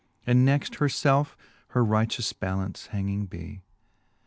And next her felfe her righteous ballance hanging bee.